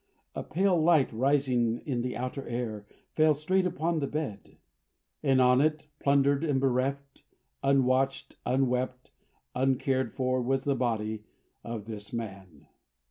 A pale light rising in the outer air, fell straight upon the bed: and on it, plundered and bereft, unwatched, unwept, uncared for, was the body of this man.